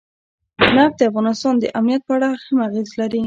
نفت د افغانستان د امنیت په اړه هم اغېز لري.